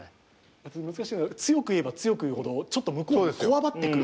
あと難しいのは強く言えば強く言うほどちょっと向こうがこわばってくる。